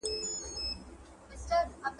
دا مجلس د هېواد سياسي ثبات ساتي.